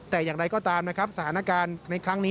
แต่อย่างไรก็ตามนะครับสถานการณ์ในครั้งนี้